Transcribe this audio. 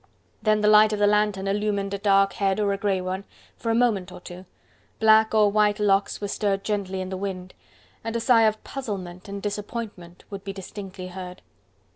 Then the light of the lantern illumined a dark head or a grey one, for a moment or two: black or white locks were stirred gently in the wind, and a sigh of puzzlement and disappointment would be distinctly heard.